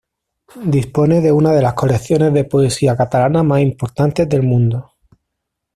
Dispone de una de las colecciones de poesía catalana más importantes del mundo.